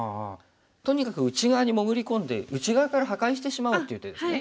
とにかく内側に潜り込んで内側から破壊してしまおうという手ですね。